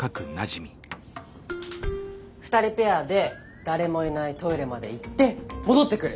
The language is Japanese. ２人ペアで誰もいないトイレまで行って戻ってくる。